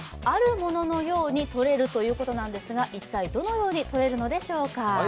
あるもののように撮れるということですが、一体どのように撮れるのでしょうか？